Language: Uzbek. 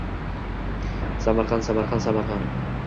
Samarqand Samarqand Samarqand